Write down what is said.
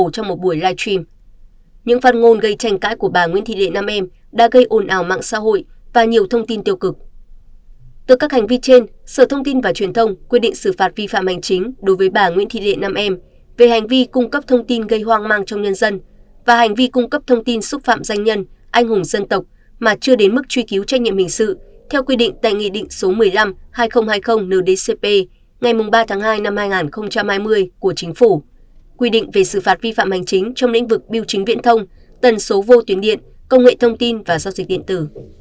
các hành vi trên sở thông tin và truyền thông quyết định xử phạt vi phạm hành chính đối với bà nguyễn thị đệ nam em về hành vi cung cấp thông tin gây hoang mang trong nhân dân và hành vi cung cấp thông tin xúc phạm danh nhân anh hùng dân tộc mà chưa đến mức truy cứu trách nhiệm hình sự theo quy định tại nghị định số một mươi năm hai nghìn hai mươi ndcp ngày ba hai hai nghìn hai mươi của chính phủ quy định về xử phạt vi phạm hành chính trong lĩnh vực biểu chính viễn thông tần số vô tuyến điện công nghệ thông tin và giao dịch điện tử